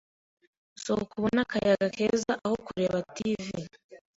Sohoka ubone akayaga keza aho kureba TV.